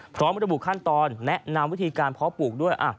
พร้อมระบุขั้นตอนแนะนำวิธีการเพาะปลูกด้วย